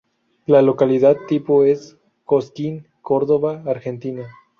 La localidad tipo es: Cosquín, Córdoba, Argentina.